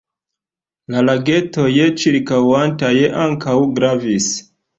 La lagetoj ĉirkaŭantaj ankaŭ gravis.